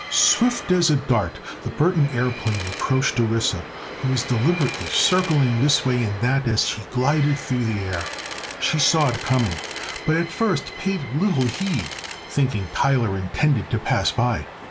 Swift as a dart the Burthon aëroplane approached Orissa, who was deliberately circling this way and that as she glided through the air. She saw it coming, but at first paid little heed, thinking Tyler intended to pass by.